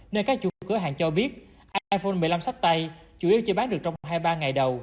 nên các chủ cửa hàng cho biết iphone một mươi năm sách tay chủ yếu chỉ bán được trong hai mươi ba ngày đầu